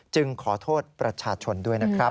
ขอโทษประชาชนด้วยนะครับ